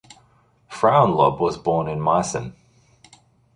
Frauenlob was born in Meissen.